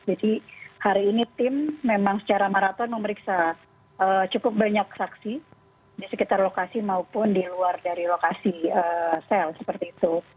jadi hari ini tim memang secara maraton memeriksa cukup banyak saksi di sekitar lokasi maupun di luar dari lokasi sel seperti itu